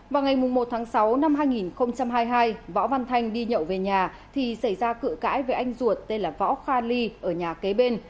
vào ngày một tháng sáu năm hai nghìn hai mươi hai võ văn thanh đi nhậu về nhà thì xảy ra cự cãi với anh ruột tên là võ kha ly ở nhà kế bên